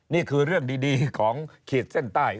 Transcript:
นี่คือเรื่องดีของขีดเส้นใต้